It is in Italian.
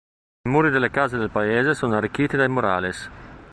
I muri delle case del paese sono arricchiti dai "murales".